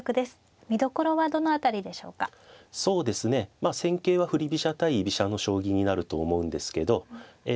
まあ戦型は振り飛車対居飛車の将棋になると思うんですけどえ